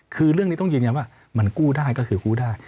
คือเรื่องนี้ต้องยืนยันว่ามันกู้ได้ก็คือกู้ได้